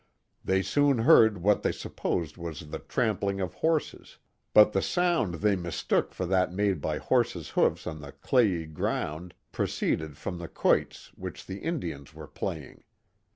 They soon heard what they supposed was the trampling of horses; but the sound they mistook for that made by horses* hoofs on the clayey ground proceeded from the quoits which the Indians were playing.